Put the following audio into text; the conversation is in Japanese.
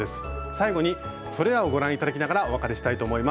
最後にそれらをご覧頂きながらお別れしたいと思います。